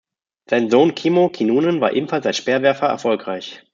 Sein Sohn Kimmo Kinnunen war ebenfalls als Speerwerfer erfolgreich.